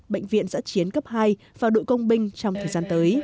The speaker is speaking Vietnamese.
bệnh viện giã chiến cấp hai và đội công binh trong thời gian tới